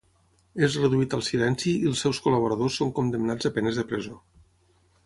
És reduït al silenci i els seus col·laboradors són condemnats a penes de presó.